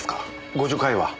互助会は？